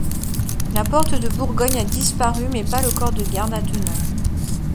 La porte de Bourgogne a disparu mais pas le corps de garde attenant.